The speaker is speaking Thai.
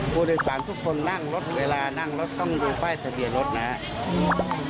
ผู้โดยสารทุกคนนั่งรถเวลานั่งรถต้องดูป้ายทะเบียนรถนะครับ